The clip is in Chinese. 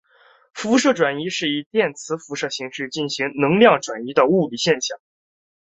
辐射转移是以电磁辐射形式进行能量转移的物理现象。